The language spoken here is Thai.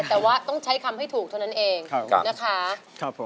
แต่ว่าต้องใช้คำให้ถูกเท่านั้นเองนะคะ